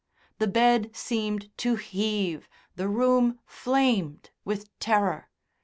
The bed seemed to heave, the room flamed with terror.